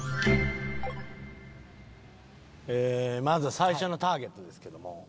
まずは最初のターゲットですけども。